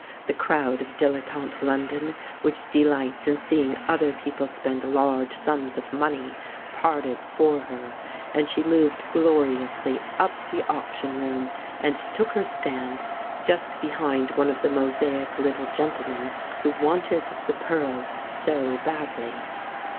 The crowd of dilettante London, which delights in seeing other people spend large sums of money, parted for her, and she moved gloriously up the auction room and took her stand just behind one of the Mosaic little gentlemen who wanted the pearls so badly.